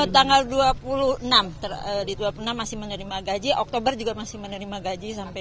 tanggal dua puluh enam di dua puluh enam masih menerima gaji oktober juga masih menerima gaji sampai